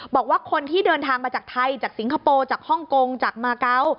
บอกว่าคนที่เดินทางมาจากไทยจากสิงคโปร์จากฮ่องกงจากมาเกาะ